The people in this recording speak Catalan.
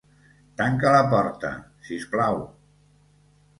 Tanca la porta, sisplau.